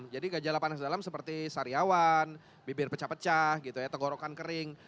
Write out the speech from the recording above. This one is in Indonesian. jadi gejala panas dalam seperti sariawan bibir pecah pecah gitu ya tenggorokan kering